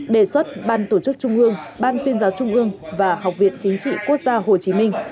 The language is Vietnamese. đề xuất ban tổ chức trung ương ban tuyên giáo trung ương và học viện chính trị quốc gia hồ chí minh